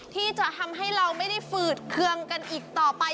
ที่จะทำให้เราไม่ได้ฝืดเคืองกันอีกต่อไป